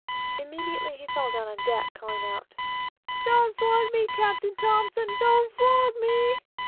Immediately, he fell down on the deck, calling out "Don't flog me, Captain T ; don't flog me!"